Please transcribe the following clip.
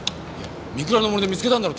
御倉の森で見つけたんだろ？